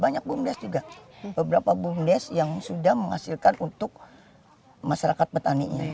banyak bumdes juga beberapa bumdesk yang sudah menghasilkan untuk masyarakat petaninya